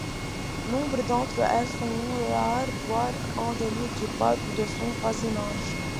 Nombre d'entre elles sont rares voire endémiques du parc ou de son voisinage.